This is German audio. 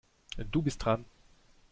Du bist dran.